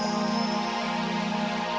oh seperti itu